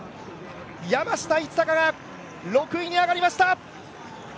山下一貴が６位に上がりました！